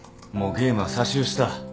もうゲームはサ終した。